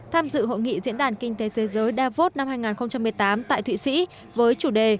tham dự hội nghị diễn đàn kinh tế thế giới davos năm hai nghìn một mươi tám tại thụy sĩ với chủ đề